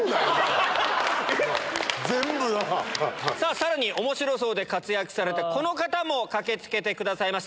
さらに『おもしろ荘』で活躍されたこの方も駆け付けてくださいました。